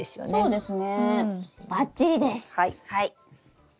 そうです。